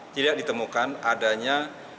tidak ditemukan adanya